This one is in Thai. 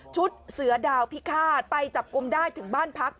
เสือดาวพิฆาตไปจับกลุ่มได้ถึงบ้านพัก